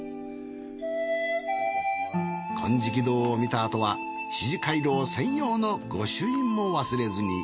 金色堂を見たあとは四寺廻廊専用の御朱印も忘れずに。